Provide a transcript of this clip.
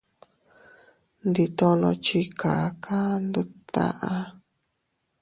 Ndi tono chi kaka ndut taʼa.